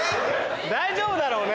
大丈夫だろうね？